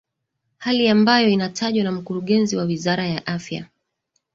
hali ambayo inatajwa na mkurugenzi wa wizara ya afya